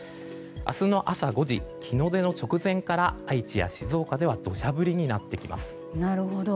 明日の朝５時、日の出の直前から愛知や静岡では土砂降りになってきます。